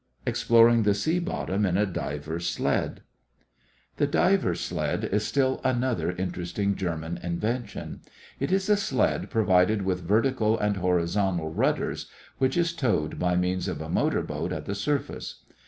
EXPLORING THE SEA BOTTOM IN A DIVER'S SLED The diver's sled is still another interesting German invention. It is a sled provided with vertical and horizontal rudders, which is towed by means of a motor boat at the surface.